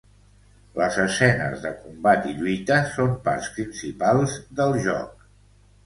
Les escenes de combat i lluita són parts principals del joc.